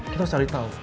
kita harus cari tau